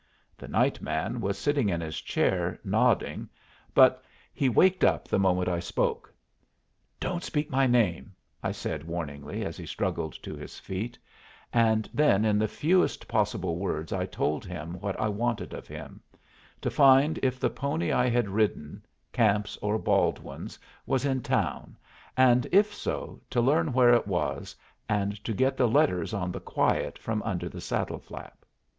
The "night man" was sitting in his chair, nodding, but he waked up the moment I spoke. "Don't speak my name," I said, warningly, as he struggled to his feet; and then in the fewest possible words I told him what I wanted of him, to find if the pony I had ridden (Camp's or Baldwin's) was in town and, if so, to learn where it was, and to get the letters on the quiet from under the saddle flap.